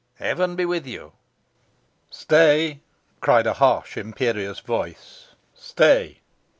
Heaven be with you!" "Stay!" cried a harsh, imperious voice. "Stay!"